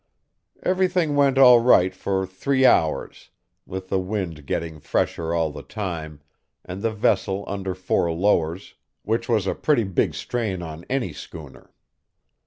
"Everything went all right for three hours, with the wind getting fresher all the time, and the vessel under four lowers, which was a pretty big strain on any schooner.